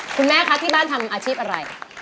คุณแม่คะที่บ้านทำอาชีพอะไร